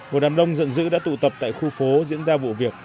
một đám đông giận dữ đã tụ tập tại khu phố diễn ra vụ việc